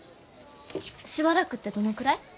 しばらくってどのくらい？